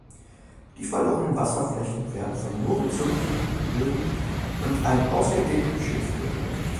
Die verlorenen Wasserflächen werden von moorig-sumpfigen Böden und einem ausgedehnten Schilfgürtel bedeckt.